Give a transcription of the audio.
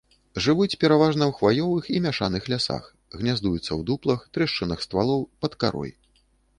Жывуць пераважна ў хваёвых і мяшаных лясах, гняздуюцца ў дуплах, трэшчынах ствалоў, пад карой.